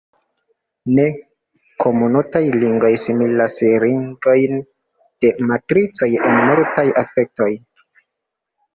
Ne-komutaj ringoj similas ringojn de matricoj en multaj aspektoj.